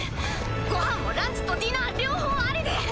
ご飯もランチとディナー両方ありで。